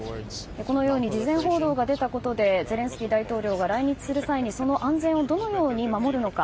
このように事前報道が出たことでゼレンスキー大統領が来日する際にその安全をどのように守るのか。